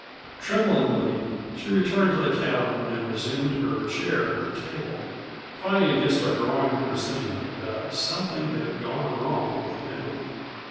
Tremblingly she returned to the cabin and resumed her chair at the table, fighting against a growing presentiment that something had gone wrong with Ben.